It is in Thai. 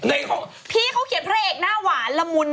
พี่เขาเขียนพระเอกหน้าหวานละมุน